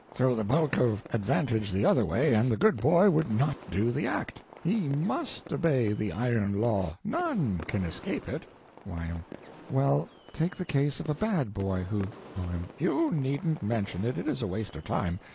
Throw the bulk of advantage the other way and the good boy would not do the act. He must obey the iron law. None can escape it. Y.M. Well, take the case of a bad boy who— O.M. You needn't mention it, it is a waste of time.